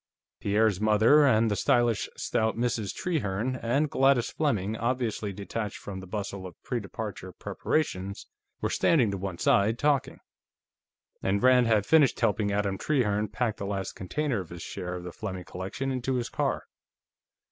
Pierre's mother, and the stylish stout Mrs. Trehearne, and Gladys Fleming, obviously detached from the bustle of pre departure preparations, were standing to one side, talking. And Rand had finished helping Adam Trehearne pack the last container of his share of the Fleming collection into his car.